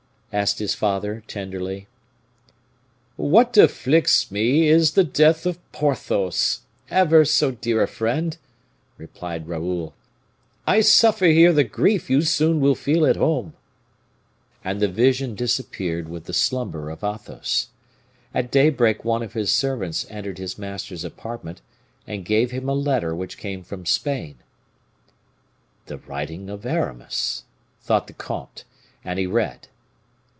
asked his father, tenderly. "What afflicts me is the death of Porthos, ever so dear a friend," replied Raoul. "I suffer here the grief you soon will feel at home." And the vision disappeared with the slumber of Athos. At daybreak one of his servants entered his master's apartment, and gave him a letter which came from Spain. "The writing of Aramis," thought the comte; and he read.